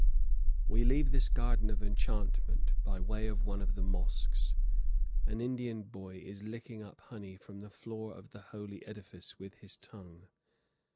We leave this garden of enchantment by way of one of the mosques. An Indian boy is licking up honey from the floor of the holy edifice with his tongue.